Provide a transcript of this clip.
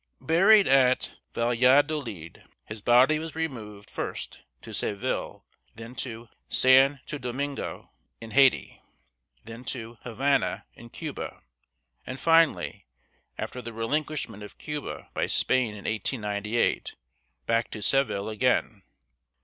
Buried at Valladolid (vahl yah dō leed´), his body was removed first to Se ville´, then to San´to Do min´go, in Haiti, then to Ha van´a, in Cuba, and finally, after the relinquishment of Cuba by Spain in 1898, back to Seville again.